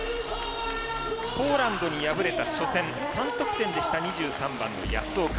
ポーランドに敗れた初戦３得点でした、２３番の保岡。